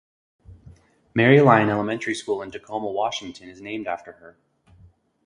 Mary Lyon Elementary School in Tacoma, Washington is named after her.